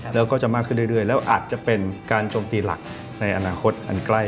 แล้วก็จะมากขึ้นเรื่อยแล้วอาจจะเป็นการโจมตีหลักในอนาคตอันใกล้